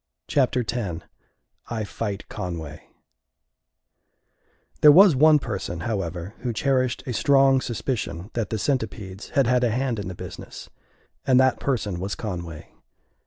Chapter Ten I Fight Conway There was one person, however, who cherished a strong suspicion that the Centipedes had had a hand in the business; and that person was Conway.